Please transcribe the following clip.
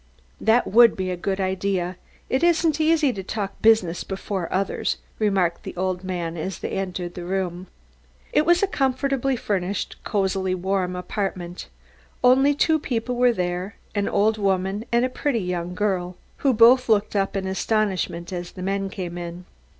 "That would be a good idea. It isn't easy to talk business before others," remarked the old man as they entered the room. It was a comfortably furnished and cozily warm apartment. Only two people were there, an old woman and a pretty young girl, who both looked up in astonishment as the men came in.